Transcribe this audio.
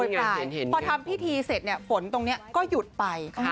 พอทำพิธีเสร็จฝนตรงนี้ก็หยุดไป